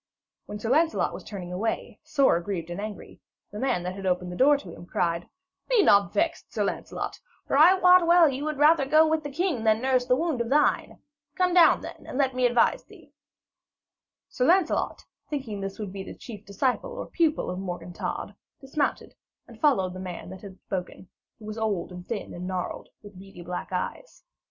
When Sir Lancelot was turning away, sore aggrieved and angry, the man that had opened the door to him cried: 'Be not vexed, Sir Lancelot, for I wot well you would rather go with the king than nurse that wound of thine. Come down, then, and let me advise thee.' Sir Lancelot, thinking this would be the chief disciple or pupil of Morgan Todd, dismounted, and followed the man that had spoken, who was old and thin and gnarled, with beady black eyes.